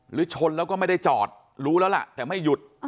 ชนแล้วก็ไม่ได้จอดรู้แล้วล่ะแต่ไม่หยุด